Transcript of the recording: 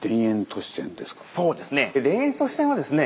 そうですね。